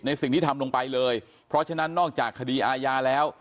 สิ่งที่ทำลงไปเลยเพราะฉะนั้นนอกจากคดีอาญาแล้ว